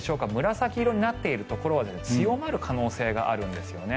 紫色になっているところは強まる可能性があるんですよね。